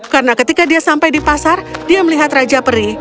karena ketika dia sampai di pasar dia melihat raja peri